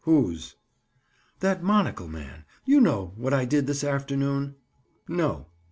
"Whose?" "That monocle man. You know what I did this afternoon?" "No."